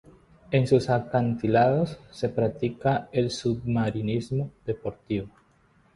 En sus acantilados se practica el submarinismo deportivo.